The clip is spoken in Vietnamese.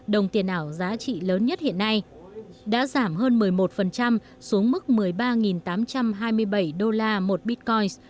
đồng tiền ảo giá trị lớn nhất hiện nay đã giảm hơn một mươi một xuống mức một mươi ba tám trăm hai mươi bảy đô la một bitcoin